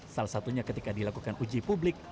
salah satunya ketika dilakukan uji publik